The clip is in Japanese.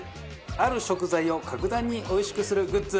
ある食材を格段においしくするグッズ。